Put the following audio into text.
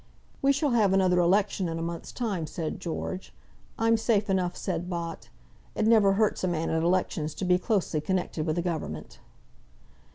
"We shall have another election in a month's time," said George. "I'm safe enough," said Bott. "It never hurts a man at elections to be closely connected with the Government."